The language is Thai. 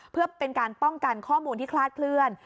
เพื่อเป็นการป้องกันข้อมูลที่คลาดเคลื่อน